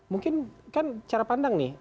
mungkin kan cara pandang nih